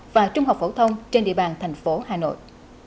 và trung học phổ thông trên địa bàn thành phố hà nội